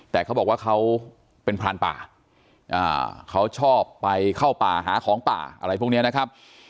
แต่เขาบอกว่าเขาเป็นพรานป่าเขาชอบไปเข้าป่าหาของป่าอะไรพวกนี้นะครับ